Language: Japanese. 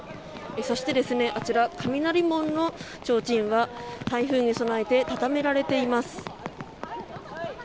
そして、あちら雷門のちょうちんは台風に備えてたたまれています。